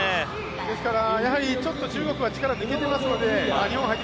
ですからやはり中国は力が一つ抜けていますので。